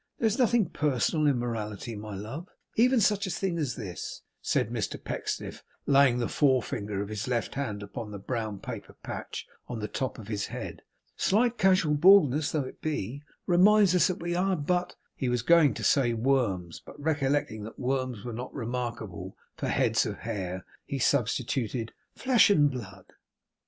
There is nothing personal in morality, my love. Even such a thing as this,' said Mr Pecksniff, laying the fore finger of his left hand upon the brown paper patch on the top of his head, 'slight casual baldness though it be, reminds us that we are but' he was going to say 'worms,' but recollecting that worms were not remarkable for heads of hair, he substituted 'flesh and blood.